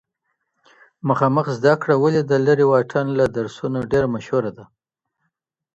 مخامخ زده کړه ولي د لري واټن له درسونو ډېره مشهوره ده؟